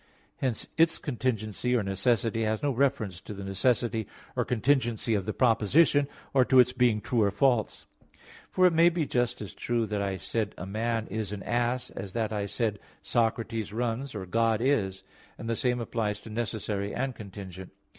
Hence its contingency or necessity has no reference to the necessity or contingency of the proposition, or to its being true or false. For it may be just as true that I said a man is an ass, as that I said Socrates runs, or God is: and the same applies to necessary and contingent.